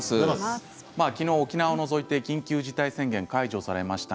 きのう沖縄を除いて緊急事態宣言が解除されました。